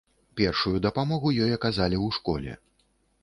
Першую дапамогу ёй аказалі ў школе.